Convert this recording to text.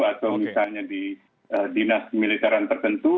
atau misalnya di dinas militeran tertentu